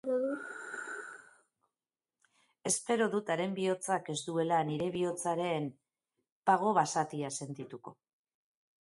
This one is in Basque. Espero dut haren bihotzak ez duela nire bihotzaren pogo basatia sentituko.